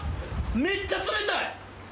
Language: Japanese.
めっちゃ冷たい。